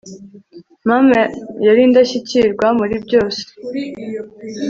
mama yari indashyikirwa muri byose